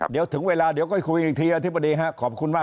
เดี๋ยวถึงเวลาได้คุยอีกทีอธิบดีมากครับ